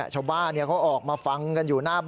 ชาวบ้านเขาออกมาฟังกันอยู่หน้าบ้าน